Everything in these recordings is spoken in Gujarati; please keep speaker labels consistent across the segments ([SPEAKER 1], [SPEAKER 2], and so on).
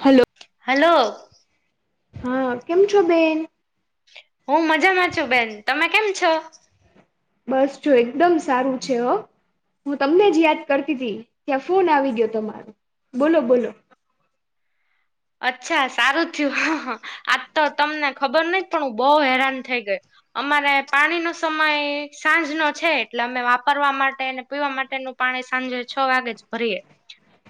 [SPEAKER 1] હલો
[SPEAKER 2] હલો
[SPEAKER 1] હા કેમ છો બેન
[SPEAKER 2] હું મજામાં છું બેન તમે કેમ છો
[SPEAKER 1] બસ જો એકદમ સારું છે હ હું તમને જ યાદ કરતી હતી ત્યાં ફોન આવી ગયો તમારોું બોલો બોલો
[SPEAKER 2] અચ્છા સારું થયું આજ તો તમને ખબર નહ પણ હું બહુ હેરાન થઈ ગયો અમારે પાણીનોો સમય સાંજ નો છે એટલે અમે વાપરવા માટે અને પીવા માટેનું પાણે સાંજે છ વાગે જ ભરીયએ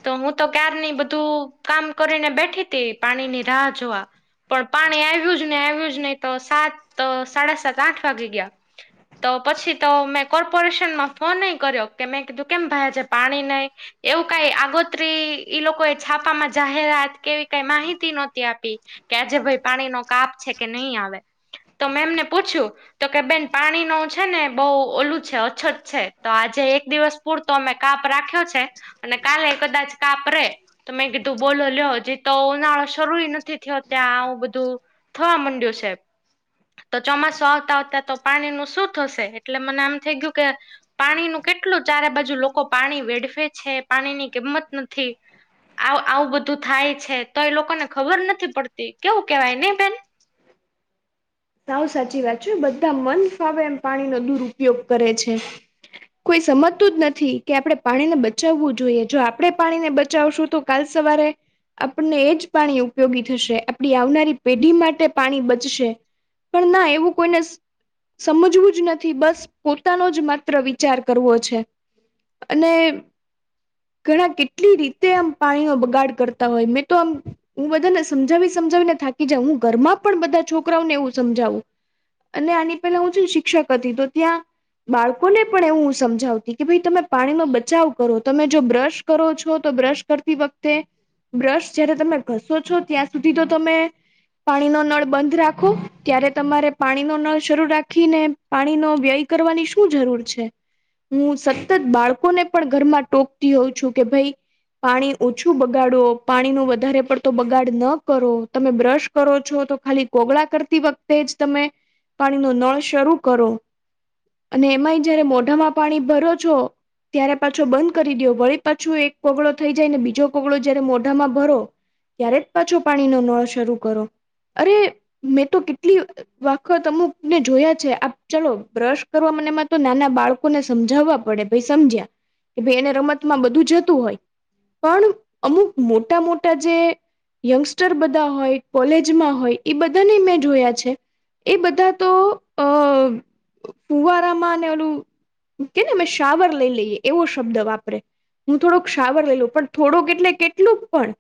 [SPEAKER 2] તો હું તો ક્યાર ની બધું કામ કરીને બેઠ ી તે પાણી ની રાહ જોવા પણ પાણી આવ્યું જ ને આવ્યું જ નહી તો સાત સાડા સાત આઠ વાગી ગયા તો પછી તો મેં કોર્પોરેશનમાં ફોન નહી કર્યો કે મેં કીધું કેમ ભાઈ આજે પાણી નહી એવું કઈ આગોતરી ઈ લોકો એ છાપા માં જાહેરાત કેવી કઈ માહિતી નહોતી આપી કે આજે ભાઈ પાણી નો કાપ છે કે નહી આવે તો મેમને પૂછ્યું તો કે બેન પાણી ન છે ને બહુ ઓલું છે અછત છે તો આજે એક દિવસ પૂરતો અમે કાપ રાખ્યો છે અને કાલે કદાચ કાપરેે તો મેં કીધું બોલો લ્યો જે તો ઉનાળો શરૂ નથી થયો ત્યાં આવું બધું થવા માંડ્યું છે તો ચોમાસું આવતા આવતા તો પાણી નું શું થશે એટલે મને આમ થઈ ગયું કે પાણીનુંું કેટલું ચારે બાજુ લોકો પાણી વેઢવે છે પાણીની કિંમત નથી આવું બધું થાય છે તો એ લોકોને ખબર નથી પડતી કેવું કેવાય નહી બેન
[SPEAKER 1] આવ સાચી વાત છે બધા મન ફાવે એમ પાણીનો દુરપયોગ કરે છે કોઈ સમજતું જ નથી કે આપડણે પાણીને બચાવવું જોઈએ જો આપડણે પાણીને બચાવશું તો કાલ સવારે આપણને એ જ પાણી ઉપયોગી થશે આપડી આવનારી પેઢી માટે પાણી બચશે. પણ ના એવું કોઈને સમજવું જ નથી બસ પોતાનો જ માત્ર વિચાર કરવો છે. અને. ઘણા કેટલી રીતે આમ પાણીનો બગાડ કરતા હોય મેં તો આમ. હું બધાને સમજાવી સમજાવીને થાકી જાય હું ઘરમાં પણ બધા છોકરાઓને એવું સમજાવું. અને આની પેલા હું શિક્ષક હતી તો ત્યાં બાળકોને પણ એવું સમજાવતી કે ભાઈ તમે પાણીનો બચાવ કરો તમે જો બ્રશ કરો છો તો બ્રશ કરતી વખતે બ્રશ જયારે તમે ઘસો છો ત્યાં સુધી તો તમે પાણીનો નળ બંધ રાખો. ત્યારે તમારે પાણીનો નળ શરૂ રાખીને પાણીનો વ્યય કરવાની શું જરૂર છે. હું સતત બાળકોને પણ ઘરમાં ટોકતી હોઉ છું કે ભઈ. પાણી ઓછું બગાડો પાણીનું વધારે પડતો બગાડ ન કરો તમે બ્રશ કરો છો તો ખાલી કોગળા કરતી વખતે જ તમે પાણીનો નળ શરૂ કરો. અને એમાંય જયારે મોઢામાં પાણી ભરો છો. ત્યારે પાછો બંધ કરી દયો વળી પાછું એક કોગળો થઈ જાય ને બીજો કોગળો જયારે મોઢામાં ભરો. ત્યારે જ પાછો પાણીનો નળ શરૂ કરો અરે મેં તો કેટલી વાખત અમુક ને જોયા છે આપ ચાલો બ્રશ કરવા મનેમાં તો નાના બાળ લોકોને સમજાવવા પડે ભઈ સમજ્યા કે ભઈ એને રમતમાં બધું જતું હોય. પણ અમુક મોટા મોટા જે. યંગસ્ટર બધા હોય કોલેજમાં હોય એ બધાને મે જોયા છે એ બધા તો અ ફુવારામાં ને ઓલું. કે ને અમે શાવર લઈ લઈએ એવો શબ્દ વાપરે. હું થોડોક શાવર લઈલું પણ થોડુંક એટલે કેટલું ક પણ.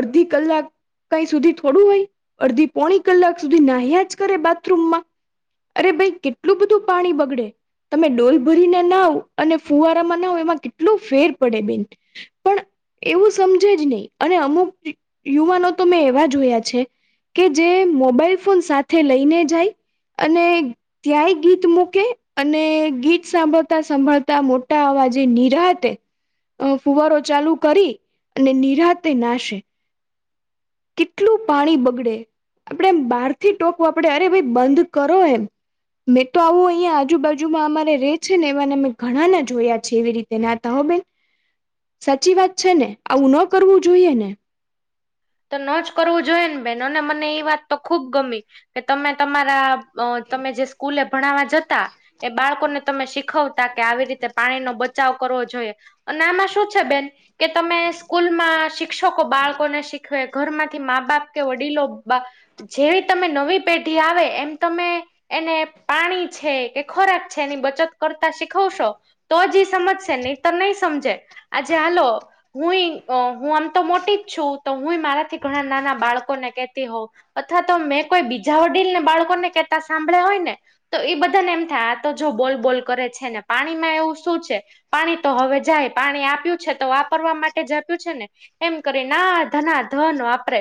[SPEAKER 1] અડધી કલાક કઈ સુધી થોડું હોય અડધી પોણી. કલાક સુધી નાહ્યા જ કરે બાથરૂમમાં અરે ભાઈ કેટલું બધું પાણી બગડે. તમે ડોલ ભરીને નાવ અને ફુવારામાં નાવ એમાં કેટલું ફેર પડે બેન. પણ એવું સમજે જ ની અને અમુક યુવાનો તો મેં એવા જોયા છે. કે જે મોબાઈલ ફોન સાથે લઈને જાય અને ત્યાંય ગીત મૂકે અને ગીત સાંભળતા સાંભળતા મોટા અવાજે નિરાતે. અ ફુવારો ચાલુ કરી અને નિરાતે નાશે. કેટલું પાણી બગડે. આપડે એમ બારથી ટોકવા પડે અરે ભાઈ બંધ કરો એમ. મેં તો આવું અયાં આજુબાજુમાં અમારે રે છે ને એવાને મેં ઘણાને જોયા છે એવી રીતે નાતા હ બેન. સાચી વાત છે ને આવું ન કરવું જોઈએ ને.
[SPEAKER 2] તો નજ કરવું જોઈએ ને બેન અને મને એ વાત તો ખુબ ગમી. કે તમે તમારા તમે જે સ્કૂલે ભણાવવા જતા એ બાળકોને તમે શીખવ તા કે આવી રીતે પાણીનો બચાવ કરવો જોઈએ. અને આમાં શું છે બેન કે તમે સ્કૂલમાં શિક્ષકો બાળકોને શી ઘરમાંથી મા બાપ કે વડીલો બા જેવી તમે નવી પેઢી આવે એમ તમે એને પાણી છે કે ખોરાક છે એની બચત કરતા શીખવશો. તોજ ઈ સમજશે નઈ તો નઈ સમજે. આજે હાલો હુંઈ અ હું આમ તો મોટી જ છું. તો હું મારાથી ઘણા નાના બાળકો ને કેતી હોઉ. અથવા તો મેં કોઈ બીજા વડીલને બાળકોને કેતા સાંભળ્યા હોય ને. તો એ બધાને એમ થાય આતો જો બોલ બોલ કરે છે ને પાણીમાં એવું શું છે. પાણી તો હવે જાય પાણી આપ્યું છે તો વાપરવા માટે જ આપ્યું છે ને એમ કરી ના. ધના ધન વાપરે.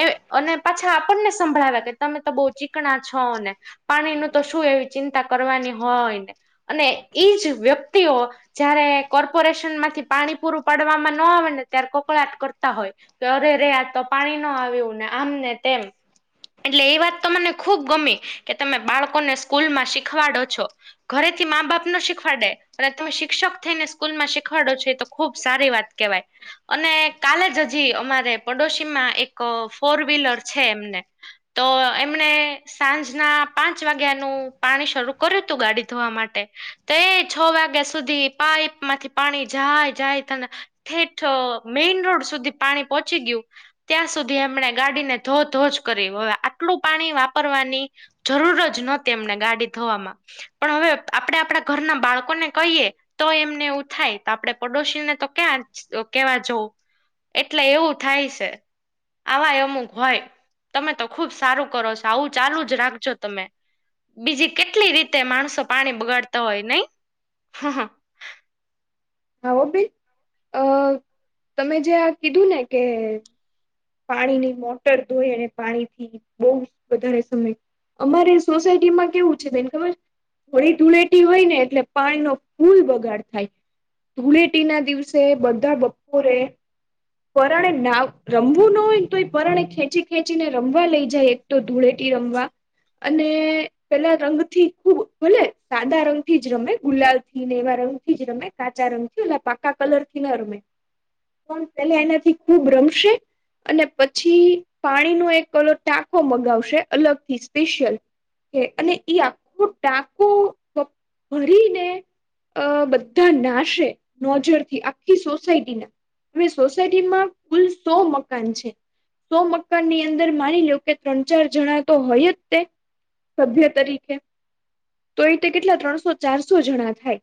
[SPEAKER 2] એ અને પાછા આપણને સંભળાવ્યા કે તમે તો બો ચીકણા છો ને. પાણીનું તો શું એવી ચિંતા કરવાની હોય ને અને એજ વ્યક્તિઓ જયારે કોર્પોરેશન માંથી પાણી પૂરું પાડવામાં ન આવે ને ત્યારે કકરાટ કરતા હોય. અરે ર આ તો પાણી ન આવ્યું ને આમ ને તેમ એટલે એ વાત તો મને ખુબ ગમી કે તમે બાળકોને સ્કૂલ માં શીખવાડો છો. ઘરે થી મા બાપ ના શીખવાડે અને તમે શિક્ષક થઈને સ્કૂલ માં શીખવાડો છો તો ખુબ સારી વાત કેવાય અને કાલે જ હજી જી અમારે પડોશી માં એક ફોર વ્હીલર છે એમને તો એમણે સાંજના પાંચ વાગ્યાનું પાણી શરૂ કર્યું હતું ગાડી ધોવા માટે તો એ છ વાગ્યા સુધી પાઈપ માંથી પાણી જાય જાય તને ઠેઠ મેઈન રોડ સુધી પાણી પહોંચી ગ્યું ત્યાં સુધી એમણે ગાડીને ધો ધોજ કર હવે આટલું પાણી વાપરવાની જરૂર જ નતી એમને ગાડી ધોવામાં પણ હવે આપણે આપણા ઘરના બાળકોને કહીએ તો એમને એવું થાય તો આપડણે પડોશીને તો ક્યાં કેવા જવું. એટલે એવું થાય છે. આવાય અમુક હોય તમે તો ખુબ સારું કરો છો આવું ચાલુ જ રાખજો તમે બીજી કેટલી રીતે માણસો પાણી બગાડતા હોય નય હ હ
[SPEAKER 1] હો બેન અ તમે જે આ કીધું ને કે પાણીની મોટર ધોઈ અને પાણીથી બહ વધારે સમય અમારે સોસાયટીમાં કેવું છે બેન ખબર હોળી ધૂળેટી હોય ને એટલે પાણી નો ફૂલ બગાડ થાય. ધૂળેટી ના દિવસે બધા બપોરે. પરાણે ના રમવું ન હોય ને તો એ પરાણે ખેંચી ખેંચીને રમવા લઈ જાય એક તો ધૂળેટી રમવા અને પેલા રંગ થી ખુબ ભલે સાદા રંગ થી જ રમે ગુલાલ થી ને એવા રંગ જ રમે કાચા રંગથી એટલે પાકા કલરથી ન રમે એટલે એનાથી ખૂબ રમશે અને પછી પાણીનો એક કલો ટાંકો મગાવશે અલગ થી સ્પેશિયલ અને એઈ આખો ટાંકો ભરીને અ બધા નાશે નોજર થી આખી સોસાયટીના અ સોસાયટીમાં કુલ સો મકાન છે. સો મકાન ની અંદર માની લો કે ત્રણ ચાર જણા તો હોય જ તે સભ્ય તરીકે તો એતે કેટલા ત્રણસો ચારસો જણા થાય.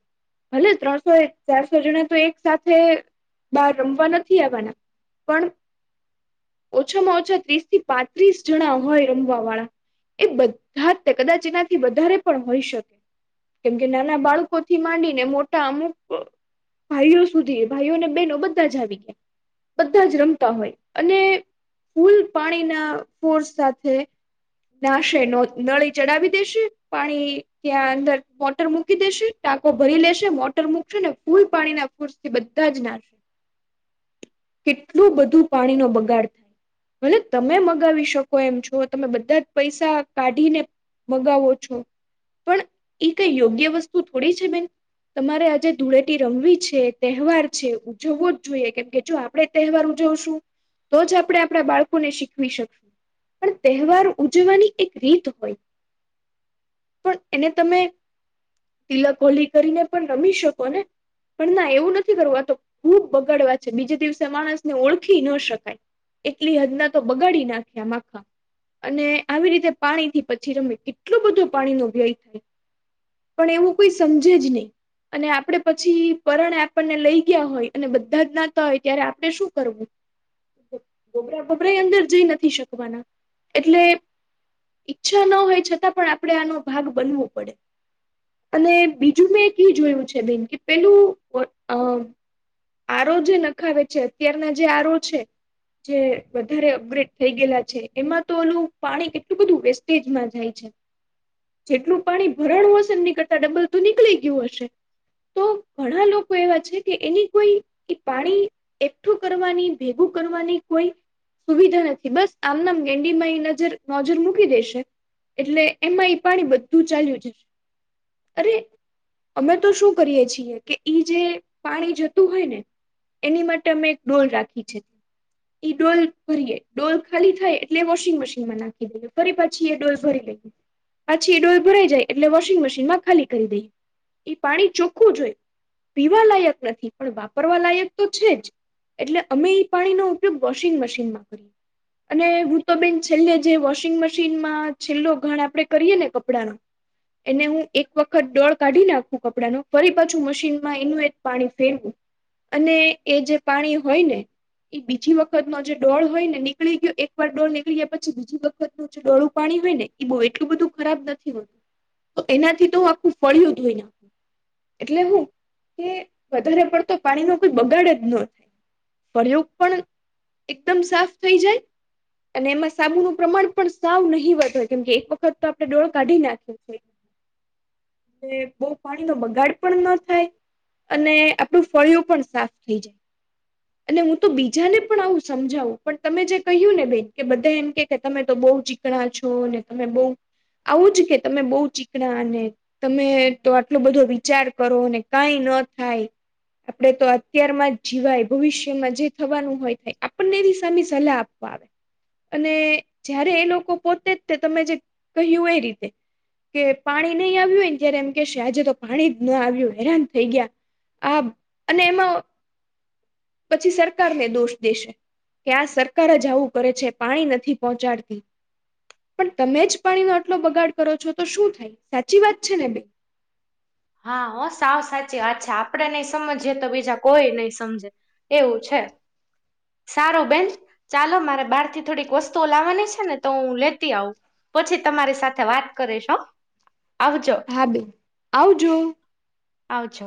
[SPEAKER 1] ભલે ત્રણસો ચારસો જના તો એક સાથે બહાર રમવા નથી આવવાના પણ ઓછામાં ઓછા ત્રીસ થી પાંત્રીસ જણા હોય રમવા વાળા. એ બધા તે કદાચ એનાથી વધારે પણ હોઈ શકે. કેમ કે નાના બાળકો થી માંડીને મોટા અમુક ભાઈઓ સુધી ભાઈઓને બહેનો બધા જ આવી ગયા. બધા જ રમતા હોય અને ફૂલ પાણીના ફોર્સ સાથે નાશે ન નળી ચડાવી દેશે પાણી ત્યાં અંદર મોટર મૂકી દેશે. ટાકો ભરી લેશે મોટર મુૂકશે ને ફૂલ પાણી ના ફોર્સથી બધા જ નાશે. કેટલું બધું પાણી નો બગાડ ભલે તમે મગાવી શકો એમ છો તમે બધા જ પૈસા કાઢીને મગાવો છો પણ એઈ કઈ યોગ્ય વસ્તુ થોડી છે બેન તમારે આજે ધૂળેટી રમવી છે તહેવાર છે. ઉજવો જ જોઈએ કેમ કે જો આપણેે તહેવાર ઉજવશું. તો જ આપણે આપણા બાળકોને શીખવી શુ. પણ તહેવાર ઉજવાની એક રીત હોય. પણ એને તમે. તિલક હોલી કરીને પણ રમી શકો ને પણ ના એવું નથી કરવું આતો ખૂબ બગડવા છે બીજે દિવસે માણસને ઓળખી ન શકાય એટલી હદના તો બગાડી નાખ્યા માખા અને આવી રીતે પાણી થી પછી રમે કેટલું બધું પાણી નો વ્યય થાય પણ એવું કોઈ સમજે જ નહી અને આપણે પછી પરણ આપણને લઈ હોય અને બધા જ નાતા હોય ત્યારે આપણે શું કરવું ગભરા ગભરા અંદર જઈ નથી શકવાના એટલે ઈચ્છા ન હોય છતાં પણ આપડણે આનો ભાગ બનવો પડે અને બીજું મેં ક જોયું છે બેન કે પેલું આરો જે નખાવે છે અત્યારના જે આરો છે જે વધારે અપગ્રેડ થઈ ગયેલા છે એમાં તો ઓલું પાણી કેટલું બધું વેસ્ટેજ ના જાય જેટલું પાણી ભરણું હશે એમનીકળતા ડબલ તોું નીકળી ગયું હશે તો ઘણા લોકો એવા છે કે એની કોઈ એ પાણી એકઠું કરવાની ભેગું કરવાની કોઈ સુવિધા નથી બસ આમનામ ગેંડીમાં એ નજર નજર મૂકી દેશે એટલે એમાં એ પાણી બધું ચાલ્યું છે અરે અમે તો શું કરીએ છીએ કે ઈ જે પાણી જતું હોય ને એની માટે અમે એક ડોલ રાખી છે એ ડોલ ભરીએ ડોલ ખાલી થાય એટલે વોશિંગ મશીનમાં નાખી દઈએ ફરી પાછી એ ડોલ ભરી લઈએ પાછી એ ડોળ ભરાઈ જાય એટલે વોશિંગ મશીન માં ખાલી કરી દઈએ એ પાણી ચોખ્ખું જો હોય લયક નથી પણ વાપરવા લાયક તો છે જ એટલે અમે પાણીનોો ઉપયોગ વોશિંગ મશીનમાં કરીએ અને હું તો બેન છેલ્લે જે વોશિંગ મશીનમાં છેલ્લો ઘણ આપડે કરીએ ને કપડાંનો એને હું એક વખત ડોળ કાઢી નાખું કપડા ન ફરી પાછું મશીનમાં એનું પાણી ફેરવું અને એ જે પાણી હોય ને એ બીજી વખત ન જે ડોળ હોય ને નીકળી ગયો એકવાર ડોળ નીળી્યા પછી બીજી વખતનુંું જે ડોળું પાણી હોય ને એ બહુ એટલું બધું ખરાબ નથી હોતું તો એનાથી તો આખું ફળિયો ધોઈ નાખું એટલે હું કે વધારે પડતો પાણી નો કોઈ બગાડ જ ન થાય પ્રયોગ પણ એકદમ સાફ થઈ જાય અને એમાં સાબુનું પ્રમાણ પણ સાવ નહિ વધવે કેમકે એક વખત તો આપણે ડોળ કાઢી નાખીી એ બહ પાણી તો બગાડ પણ ન થાય અને આપણું ફળિું પણ સાફ થઈ જાય અને હું તો બીજાને પણ આવું સમજાવું પણ તમે જે કહ્યું ને બેન કે બધા એમ કે તમે તો બહ છો ને તમે બહ આવું જ કે તમે બહુ ચીકણા અને તમે તો આટલો બધો વિચાર કરો કઈ ન થાય આપડે તો અત્યારમાં જ જીવાય ભવિષ્યમાં જે થવાનું હોય થાય આપણને એવી સામે સલાહ આપ આવે અને જયારે એ લોકો પોતે જ તમે જે કહ્યું એ રીતે કે પાણી નહી આવ્યું હોય ને ત્યારે એમ કે છે આજે તો પાણી જ ના આવ્યું હેરાન થઈ ગયા આ અને એમાં પછી સરકારને દોષ દેશે કે આ સરકાર જ આવું કરે છે પાણી નથી પહોંચાડતી પણ તમે જ પાણી નો આટલો બગાડ કરો છો તો શું થાય સાચી વાત છે ને બે
[SPEAKER 2] હા હો સાવ સાચી અચ્છા આપડે નઈ સમજીએ તો બીજા કોઈ નહી સમજે એવું છે સારું બેન ચાલો મારે બહાર થી થોડીક વસ્તુઓ લાવવાની છે ને તો હું લેતી આવું પછી તમારી સાથે વાત કરીશો આવજો
[SPEAKER 1] હાબેન આવજો
[SPEAKER 2] આવાછો